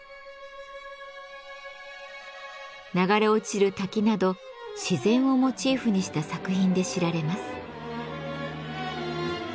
流れ落ちる滝など自然をモチーフにした作品で知られます。